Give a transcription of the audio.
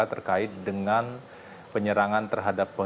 terkait dengan penyerangan terhadap